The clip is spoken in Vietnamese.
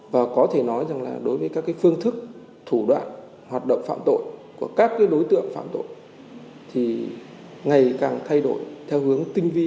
và có thể nói rằng là đối với các cái phương thức thủ đoạn hoạt động phạm tội của các cái đối tượng phạm tội thì ngày càng thay đổi theo hướng tinh vi ra sao ạ